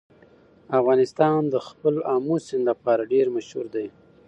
افغانستان د خپل آمو سیند لپاره ډېر مشهور دی.